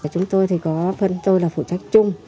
chúng tôi thì có phân tôi là phụ trách chung